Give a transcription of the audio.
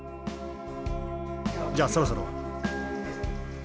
じゃあそろそろ。